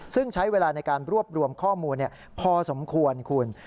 ซึ่งใช้เวลาในการรวบรวมข้อมูลพอสมควรคุณ